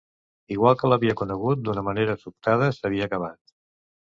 Igual que l’havia conegut, d’una manera sobtada, s’havia acabat.